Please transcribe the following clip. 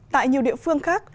tại nhiều địa phương khác